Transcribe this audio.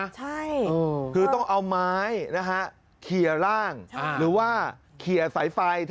ใช่คือต้องเอาไม้นะฮะเคลียร์ร่างหรือว่าเคลียร์สายไฟ